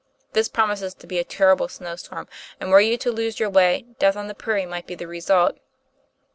This promises to be a terrible snow storm, and were you to lose your way, death on the prairie might be the result.